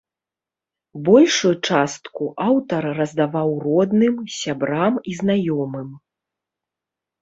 Большую частку аўтар раздаваў родным, сябрам і знаёмым.